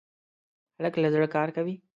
هلک له زړه کار کوي.